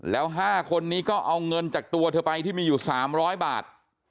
แล้ว๕คนนี้ก็เอาเงินจากตัวเธอไปที่มีอยู่๓๐๐บาท